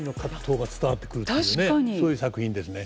そういう作品ですね。